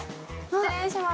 失礼します。